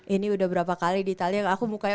ini udah berapa kali di italia aku mukanya